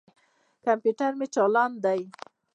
کمپیوټر مې چالاند دي.